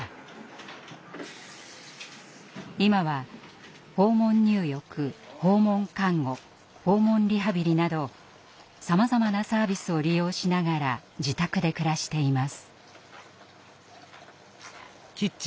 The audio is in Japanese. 今は訪問入浴訪問看護訪問リハビリなどさまざまなサービスを利用しながら自宅で暮らしています。